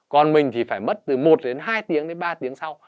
còn mình thì phải mất từ một đến hai tiếng đến ba tiếng sau